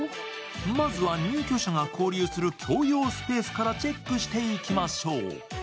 まずは入居者が交流する共用スペースからチェックしていきましょう。